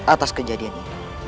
atas kejadian ini